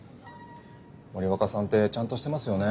森若さんってちゃんとしてますよね。